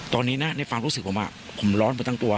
ตอนนี้นะในความรู้สึกผมผมร้อนไปทั้งตัว